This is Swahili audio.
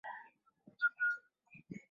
gine ni agwe awori wa eneo bunge la